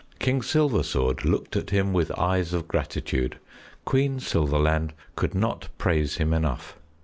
King Silversword looked at him with eyes of gratitude; Queen Silverland could not praise him enough.